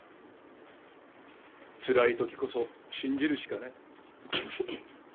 つらい時こそ信じるしかない。